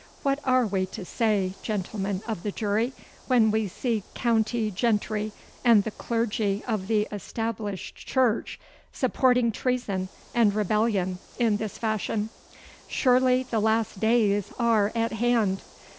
'What are we to say, gentlemen of the jury, when we see county gentry and the clergy of the Established Church supporting treason and rebellion in this fashion? Surely the last days are at hand!